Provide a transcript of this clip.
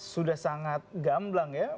sudah sangat gamblang ya